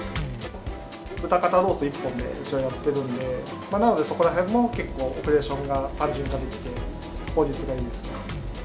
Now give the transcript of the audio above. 豚肩ロース一本でうちはやっているので、なのでそこらへんも結構、オペレーションが単純化できて、効率がいいですね。